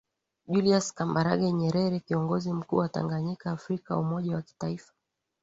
Julius Kambarage Nyerere Kiongozi mkuu wa Tanganyika Afrika umoja wa kitaifa